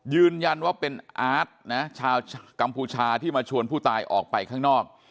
ยืนยันว่าเป็นอาร์ตนะชาวกัมพูชาที่มาชวนผู้ตายออกไปข้างนอก